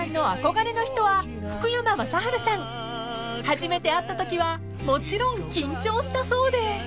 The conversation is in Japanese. ［初めて会ったときはもちろん緊張したそうで］